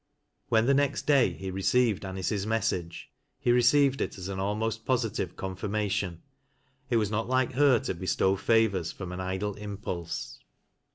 "When thi next day he received Anice's message, he received it as an almost positive confirmation. It was not like her to bestow favors from an idle impulse.